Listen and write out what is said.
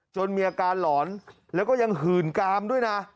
มีอาการหลอนแล้วก็ยังหื่นกามด้วยนะ